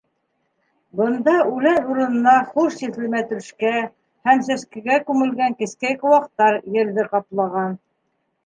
Бында үлән урынына хуш еҫле мәтрүшкә һәм сәскәгә күмелгән кескәй ҡыуаҡтар ерҙе ҡаплаған.